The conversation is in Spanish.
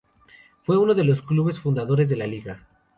Fue uno de los clubes fundadores de la liga.